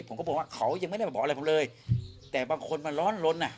ผมก็บอกว่าเขายังไม่ได้มาบอกอะไรผมเลยแต่บางคนมันร้อนลนอ่ะ